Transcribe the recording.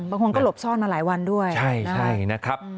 บางคนก็หลบซ่อนมาหลายวันด้วยใช่นะครับ